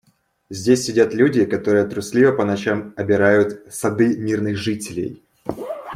Здесь сидят люди, которые трусливо по ночам обирают сады мирных жителей.